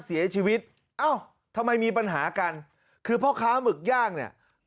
เสียชีวิตเอ้าทำไมมีปัญหากันคือพ่อค้าหมึกย่างเนี่ย